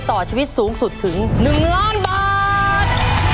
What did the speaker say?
ต่อชีวิตสูงสุดถึง๑ล้านบาท